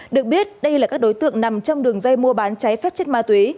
được biết đây là các đối tượng nằm trong đường dây mua bán trái phép chất ma tuế